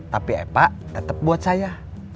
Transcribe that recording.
tapi epak tetep buat saya